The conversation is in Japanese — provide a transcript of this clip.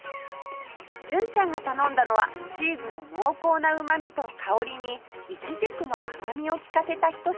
純ちゃんが頼んだのはチーズの濃厚なうまみと香りにいちじくの甘みを利かせたひと品